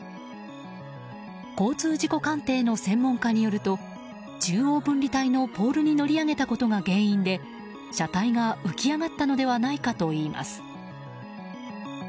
交通事故鑑定の専門家によると中央分離帯のポールに乗り上げたことが原因で車体が浮き上がったのではないかといいます。